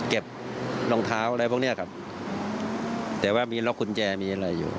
เก็บรองเท้าอะไรพวกเนี้ยครับแต่ว่ามีล็อกกุญแจมีอะไรอยู่